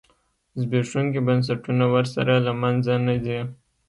زبېښونکي بنسټونه ورسره له منځه نه ځي.